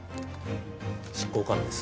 執行官です。